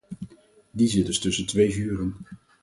Die zit dus tussen twee vuren.